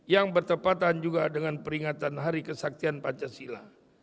yang bertepatan juga dengan peringatan hari kesaktian pancasila